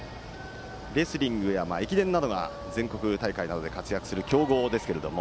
レスリングや駅伝など全国大会などで活躍する強豪ですけれども。